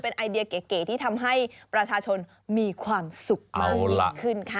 ไอเดียเก๋ที่ทำให้ประชาชนมีความสุขมากยิ่งขึ้นค่ะ